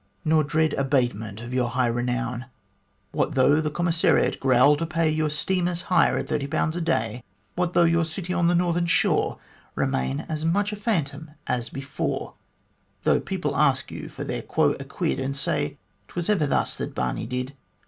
Nor dread abatement of your high renown ; What though the Commissariat growl to pay Your steamer's hire at thirty pounds a day ; What though your city on the northern shore Kemain as much a phantom as before ; Though people ask you for their quo a quid, And say :" 'Twas ever thus that Barney did.